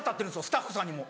スタッフさんにも。